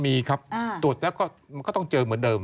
มีครับตรวจแล้วก็มันก็ต้องเจอเหมือนเดิม